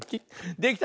できた！